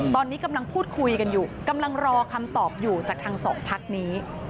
ตอนนี้กำลังพูดคุยกันอยู่กำลังรอคำตอบอยู่จากทางสองพักนี้